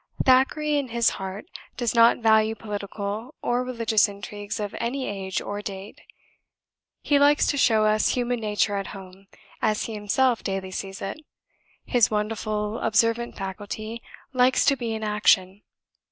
Thackeray, in his heart, does not value political or religious intrigues of any age or date. He likes to show us human nature at home, as he himself daily sees it; his wonderful observant faculty likes to be in action.